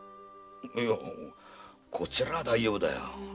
いやこちらは大丈夫だよ。